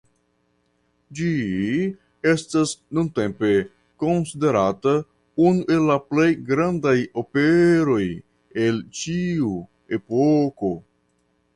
Ĝi estas nuntempe konsiderata unu el la plej grandaj operoj el ĉiu epoko.